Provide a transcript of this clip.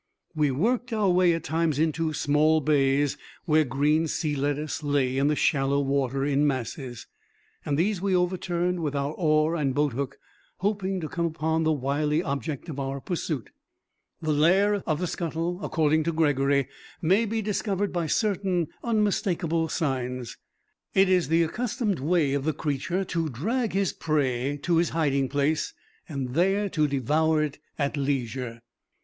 We worked our way at times into small bays where green sea lettuce lay in the shallow water in masses. These we overturned with our oar and boat hook, hoping to come upon the wily object of our pursuit. The lair of the scuttle, according to Gregory, may be discovered by certain unmistakable signs. It is the accustomed way of the creature to drag his prey to his hiding place, there to devour it at leisure.